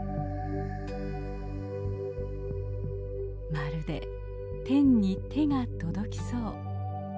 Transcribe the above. まるで天に手が届きそう。